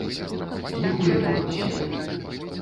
Іх у яго сем.